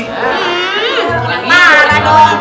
hmm marah dong